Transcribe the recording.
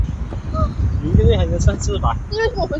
求米草粉虱为粉虱科草粉虱属下的一个种。